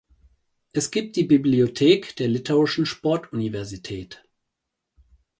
Es gibt die Bibliothek der Litauischen Sportuniversität.